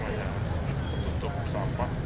karena ditutup sampah